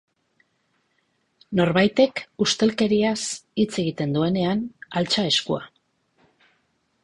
Norbaitek ustelkeriaz hitz egiten duenan, altxa eskua.